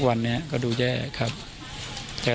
แล้วอันนี้ก็เปิดแล้ว